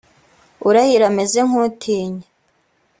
urahira ameze nk utinya